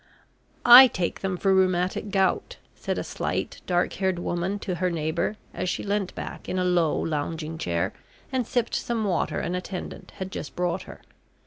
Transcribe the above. "I take them for rheumatic gout," said a slight, dark haired woman to her neighbour, as she leant back in a low lounging chair, and sipped some water an attendant had just brought her.